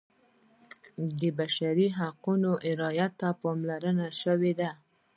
د بشري حقونو رعایت ته پاملرنه شوې ده.